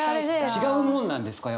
違うものなんですか？